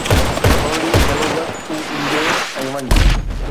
ٿورڙي بلوغت تون ايندين ۽ وڃ